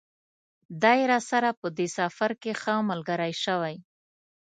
دی راسره په دې سفر کې ښه ملګری شوی.